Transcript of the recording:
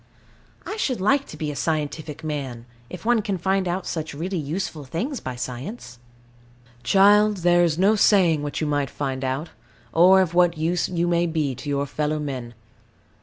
I should like to be a scientific man, if one can find out such really useful things by science. Child, there is no saying what you might find out, or of what use you may be to your fellow men.